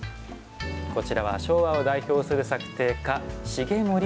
こちらは昭和を代表する作庭家重森三玲です。